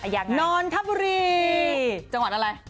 อย่างนนทบุรีจังหวัดอะไร